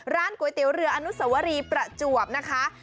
ร้านก๋วยเตี๋ยวเรืออนุสวรีประจวบนะคะ